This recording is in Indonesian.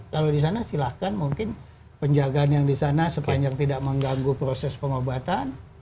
kalau di sana silahkan mungkin penjagaan yang di sana sepanjang tidak mengganggu proses pengobatan